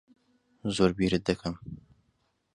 زۆر بیرت دەکەم.